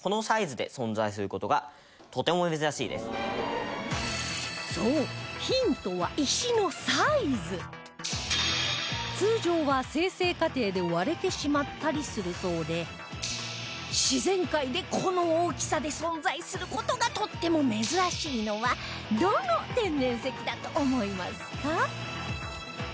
奏汰君何かそう通常は生成過程で割れてしまったりするそうで自然界でこの大きさで存在する事がとっても珍しいのはどの天然石だと思いますか？